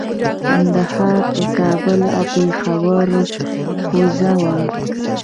ګندهارا د کابل او پیښور حوزه وه